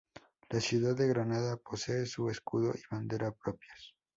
La Ciudad de Granada posee su escudo y bandera propios.